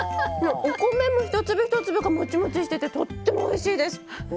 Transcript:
お米も、一粒一粒がもちもちしていてとってもおいしいです！